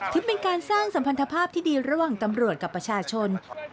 ถือเป็นการสร้างสัมพันธภาพที่ดีระหว่างตำรวจกับประชาชน